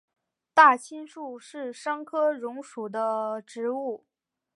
大青树是桑科榕属的植物。